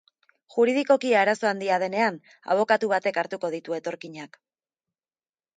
Juridikoki arazo handia denean, abokatu batek hartuko ditu etorkinak.